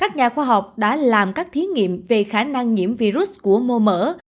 các nhà khoa học đã làm các thiết nghiệm về khả năng nhiễm virus của mô mỡ